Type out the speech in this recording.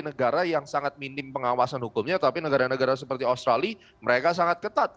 negara yang sangat minim pengawasan hukumnya tapi negara negara seperti australia mereka sangat ketat